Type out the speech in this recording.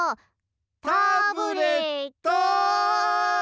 タブレットン！